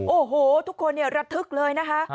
โอ้โหทุกคนเนี่ยระทึกเลยนะคะ